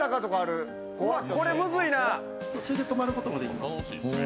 途中で止まることもできます。